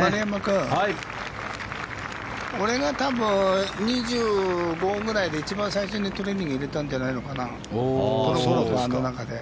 丸山君、俺が多分２５ぐらいで一番最初にトレーニング入れたんじゃないのかなプロゴルファーの中で。